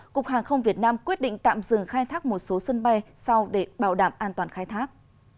cục hàng không việt nam quyết định tạm dừng khai thác một số sân bay sau để bảo đảm an toàn khai thác